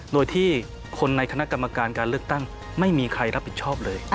โดยที่คนในคณะกรรมการการเลือกตั้งไม่มีใครรับผิดชอบเลย